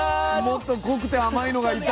もっと濃くて甘いのがいた。